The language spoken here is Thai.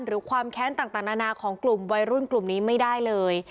ความแค้นต่างนานาของกลุ่มวัยรุ่นกลุ่มนี้ไม่ได้เลย